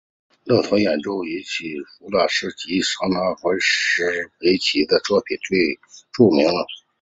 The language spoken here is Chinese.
乐团演奏柴可夫斯基及肖斯塔科维奇的作品最为著名。